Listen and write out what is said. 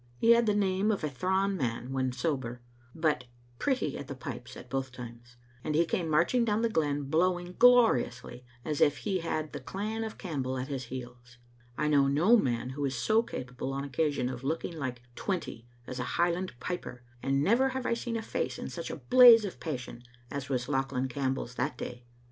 He had the name of a thrawn man when sober, but pretty at the pipes at both times, and he came marching down the glen blowing gloriously, as if he had the clan of Campbell at his heels. I know no man who is so capable on occasion of looking like twenty as a Highland piper, and never have I seen a face in such a blaze of passion as was Lauchlan Campbell's that day.